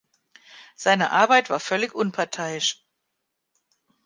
Seine Arbeit war völlig unparteiisch.